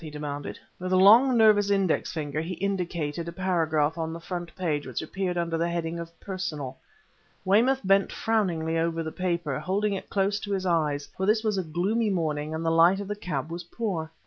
he demanded. With a long, nervous index finger he indicated a paragraph on the front page which appeared under the heading of "Personal." Weymouth bent frowningly over the paper, holding it close to his eyes, for this was a gloomy morning and the light in the cab was poor.